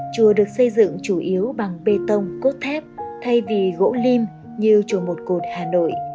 chùa được xây dựng chủ yếu bằng bê tông cốt thép thay vì gỗ lim như chùa một cột hà nội